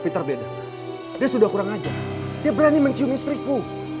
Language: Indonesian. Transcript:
peter beda dia sudah kurang aja dia berani mencium istriku